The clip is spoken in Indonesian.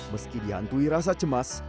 meski diantui rasa cemas